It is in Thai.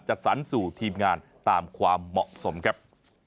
จัดสรรสู่ทีมงานตามความเหมาะสมครับ